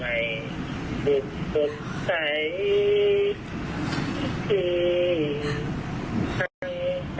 ทั้งไขศแท้เตเก